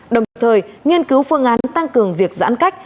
đồng thời nghiên cứu phương án tăng cường việc giãn cách